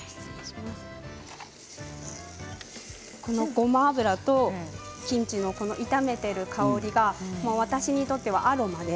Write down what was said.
ごま油とキムチの炒めている香りが私にとってはアロマで。